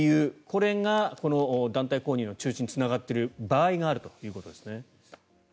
これが団体購入の中止につながっている場合があるということですね。